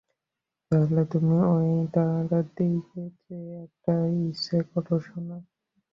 তাহলে তুমি ওই তারার দিকে চেয়ে একটা ইচ্ছা করো, সোনা।